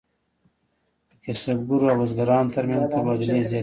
د کسبګرو او بزګرانو ترمنځ تبادلې زیاتې شوې.